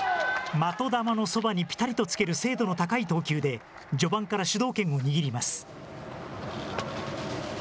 的球のそばにぴたりとつける精度の高い投球で、序盤から主導権を握ります。